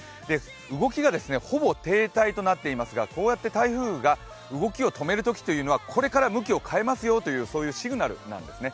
動きがほぼ停滞となっていますがこうやって台風が動きを止めるときというのはこれから向きを変えますよというシグナルなんですね。